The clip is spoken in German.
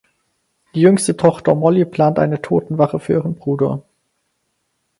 Die jüngste Tochter Molly plant eine Totenwache für ihren Bruder.